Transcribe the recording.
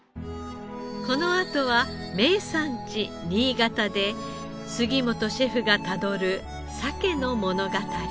このあとは名産地新潟で杉本シェフがたどるサケの物語。